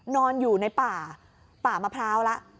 นอนอยู่ในป่าป่ามะพร้าวแล้ว